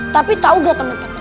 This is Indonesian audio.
tapi tau gak teman teman